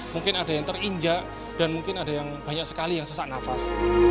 mungkin ada yang terinjak dan mungkin ada yang banyak sekali yang sesak nafas